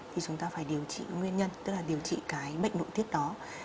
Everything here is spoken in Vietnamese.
thì chúng ta phải điều trị nguyên nhân tức là điều trị cái bệnh nội tiết đó